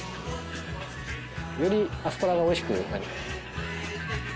よりアスパラがおいしくなります。